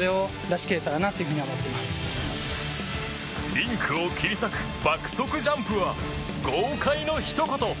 リンクを切り裂く爆速ジャンプは、豪快のひと言！